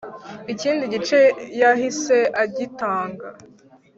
Ikindi gice yahise agitanga.